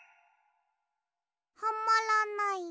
はまらない。